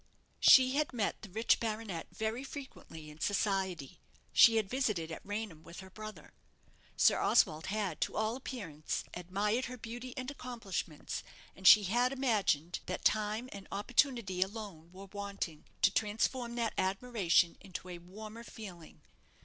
She had met the rich baronet very frequently in society. She had visited at Raynham with her brother. Sir Oswald had, to all appearance, admired her beauty and accomplishments; and she had imagined that time and opportunity alone were wanting to transform that admiration into a warmer feeling.